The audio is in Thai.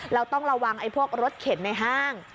เราต้องระวังไอ้พวกรถเข็นในห้าง